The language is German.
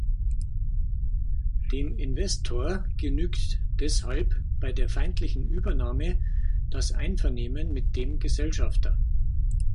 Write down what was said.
Dem Investor genügt deshalb bei der feindlichen Übernahme das Einvernehmen mit dem Gesellschafter.